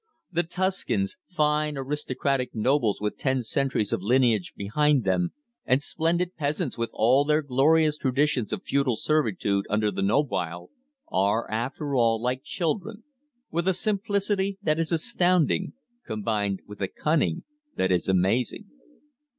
The Tuscans, fine aristocratic nobles with ten centuries of lineage behind them, and splendid peasants with all their glorious traditions of feudal servitude under the "nobile," are, after all, like children, with a simplicity that is astounding, combined with a cunning that is amazing.